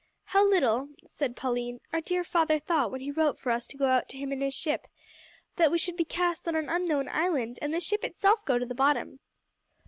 "How little," said Pauline, "our dear father thought when he wrote for us to go out to him in his ship, that we should be cast on an unknown island, and the ship itself go to the bottom!"